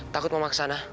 takut mama kesana